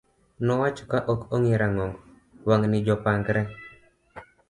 nowacho ka ok ong'i rang'ong wang' ni jopangre